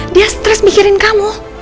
dia stress mikirin kamu